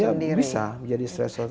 ya bisa menjadi stresor sendiri